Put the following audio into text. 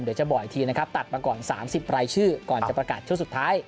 เดี๋ยวจะบอกอีกทีนะครับตัดมาก่อน๓๐รายชื่อก่อนจะประกาศชุดสุดท้าย